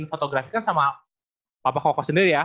di fotografikan sama papa koko sendiri ya